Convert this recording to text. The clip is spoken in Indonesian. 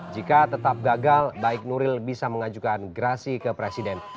jika tetap gagal baik nuril bisa mengajukan gerasi ke presiden